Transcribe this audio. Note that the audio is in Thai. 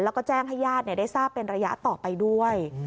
แล้วก็แจ้งให้ญาติได้ทราบเป็นระยะต่อไปด้วย